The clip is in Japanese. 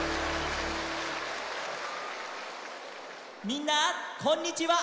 みんなこんにちは！